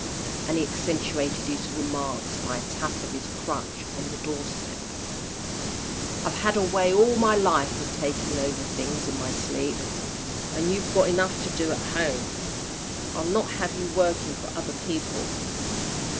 and he accentuated his remarks by a tap of his crutch on the door step. "I've had a way all my life of talking over things in my sleep. And you've got enough to do at home. I'll not have you working for other people."